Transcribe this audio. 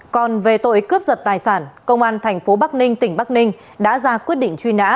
còn về tội cướp giật tài sản công an thành phố bắc ninh tỉnh bắc ninh đã ra quyết định truy nã